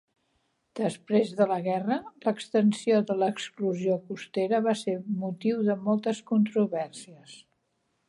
Després de la guerra, l'extensió de l'exclusió costera va ser motiu de moltes controvèrsies.